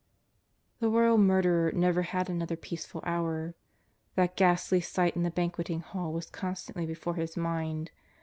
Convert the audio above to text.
The royal murderer never had another peaceful hour. That ghastly sight in the banqueting hall was constantly before his mind.